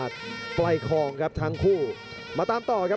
สิ่งพยักษ์สิ่งละวะอาวุธมาได้เลยครับ